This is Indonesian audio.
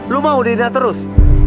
lu mau diindah terus